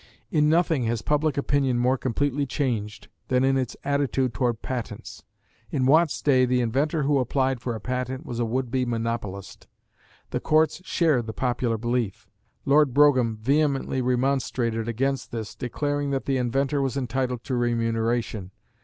In nothing has public opinion more completely changed than in its attitude toward patents. In Watt's day, the inventor who applied for a patent was a would be monopolist. The courts shared the popular belief. Lord Brougham vehemently remonstrated against this, declaring that the inventor was entitled to remuneration.